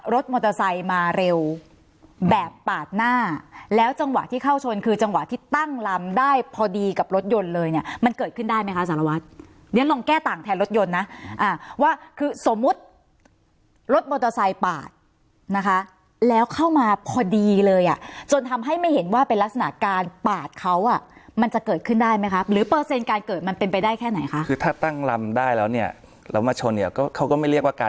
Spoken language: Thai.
รถยนต์เลยเนี่ยมันเกิดขึ้นได้ไหมคะสารวัสเนี่ยลองแก้ต่างแทนรถยนต์นะว่าคือสมมติรถมอเตอร์ไซค์ปาดนะคะแล้วเข้ามาพอดีเลยอ่ะจนทำให้ไม่เห็นว่าเป็นลักษณะการปาดเขาอ่ะมันจะเกิดขึ้นได้ไหมครับหรือเปอร์เซ็นต์การเกิดมันเป็นไปได้แค่ไหนคะคือถ้าตั้งลำได้แล้วเนี่ยเรามาชนเนี่ยก็เขาก็ไม่เรี